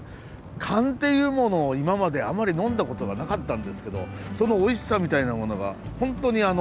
燗っていうものを今まであんまり飲んだことがなかったんですけどそのおいしさみたいなものがホントに堪能できました。